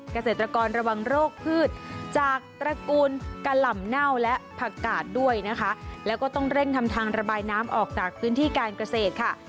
เกษตรกรระวังโรคพืชจากตระกูลกะหล่ำเน่าและผักกาดด้วยนะคะแล้วก็ต้องเร่งทำทางระบายน้ำออกจากพื้นที่การเกษตรค่ะ